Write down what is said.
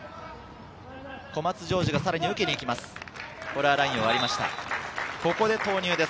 小松譲治がさらに受けにいきます。